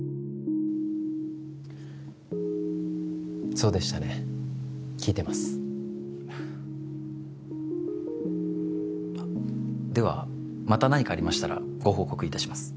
そうでしたね聞いてますあではまた何かありましたらご報告いたします